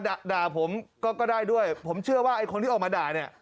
ด่าด่าผมก็ก็ได้ด้วยผมเชื่อว่าไอ้คนที่ออกมาด่าเนี่ย